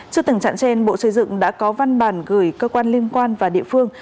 trước tình trạng trên bộ xây dựng đã có văn bản gửi cơ quan liên quan và địa phương